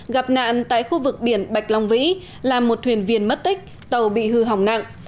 gặp nạn tại khu vực biển bạch long vĩ làm một thuyền viên mất tích tàu bị hư hỏng nặng